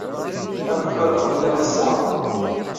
Akked baba ay llan ass-a?